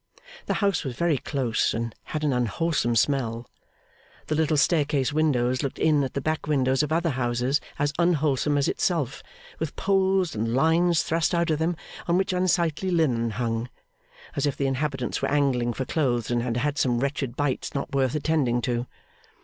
The house was very close, and had an unwholesome smell. The little staircase windows looked in at the back windows of other houses as unwholesome as itself, with poles and lines thrust out of them, on which unsightly linen hung; as if the inhabitants were angling for clothes, and had had some wretched bites not worth attending to.